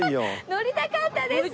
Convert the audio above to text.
乗りたかったですよ！